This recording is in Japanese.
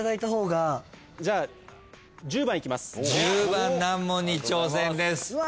１０番難問に挑戦です。